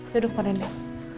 duduk pak randy